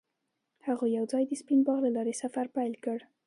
هغوی یوځای د سپین باغ له لارې سفر پیل کړ.